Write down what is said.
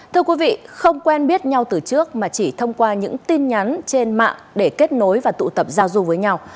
thưa quý vị không quen biết nhau từ trước mà chỉ thông qua những tin nhắn trên mạng để kết nối và tụ tập giao du với nhau